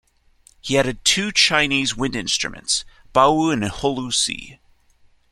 He added two chinese wind instruments : Bawu and Hulusi.